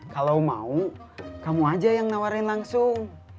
kalau mau kamu aja yang nawarin langsung